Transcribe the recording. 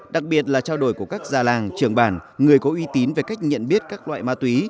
đặc biệt là trao đổi của các già làng trường bản người có uy tín về cách nhận biết các loại ma túy